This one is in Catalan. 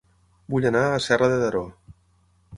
Vull anar a Serra de Daró